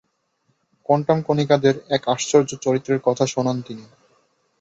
Quantum কণিকাদের এক আশ্চর্য চরিত্রের কথা শোনান তিনি।